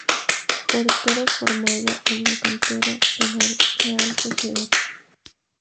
Portero formado en la cantera de la Real Sociedad.